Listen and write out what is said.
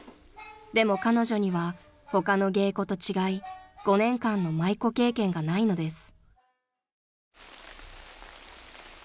［でも彼女には他の芸妓と違い５年間の舞妓経験がないのです］